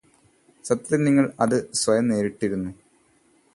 സത്യത്തില് നിങ്ങള് അത് സ്വയം നേരിട്ടിരുന്നു